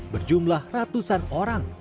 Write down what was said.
berjumlah ratusan orang